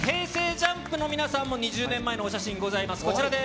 ＪＵＭＰの皆さんも２０年前の写真がございます。